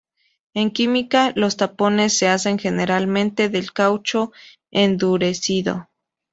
En química, los tapones se hacen generalmente del caucho endurecido.